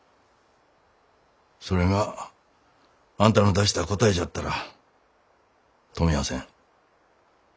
それがあんたの出した答えじゃったら止みゃあせん。